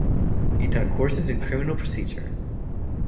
He taught courses in criminal procedure.